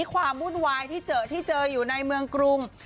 ความวุ่นวายที่เจอที่เจออยู่ในเมืองกรุง